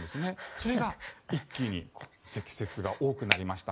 それが一気に積雪が多くなりました。